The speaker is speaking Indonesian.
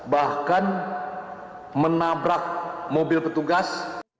bahkan menabrak mobil petugas